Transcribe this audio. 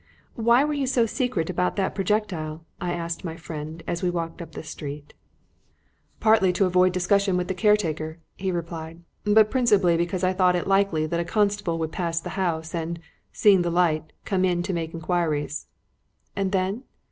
"Why were you so secret about that projectile?" I asked my friend as we walked up the street. "Partly to avoid discussion with the caretaker," he replied; "but principally because I thought it likely that a constable would pass the house and, seeing the light, come in to make inquiries." "And then?"